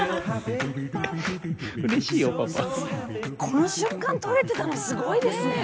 この瞬間撮れてたのすごいですね。